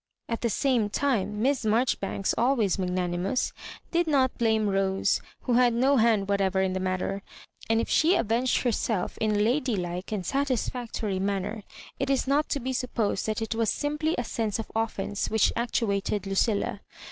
At the same time. Miss Mar joribanks, always magnanimous, did not blame Rose, who had no hand whatever in the matter ; and if she avenged herself in a lady like and sa tisfactory manner, it is not to be supposed that it was simply a sense of offence which actuated Lucilla.